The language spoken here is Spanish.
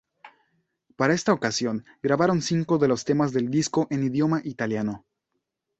Para esta ocasión, grabaron cinco de los temas del disco en idioma italiano.